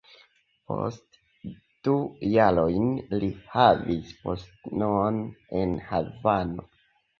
Poste du jarojn li havis postenon en Havano.